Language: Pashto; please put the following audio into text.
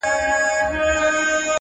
په خورا ځیراکت یې